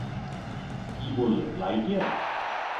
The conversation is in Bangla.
কী বললে, লাইটইয়ার?